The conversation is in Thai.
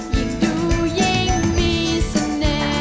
อยากจะได้แอบอิ่ง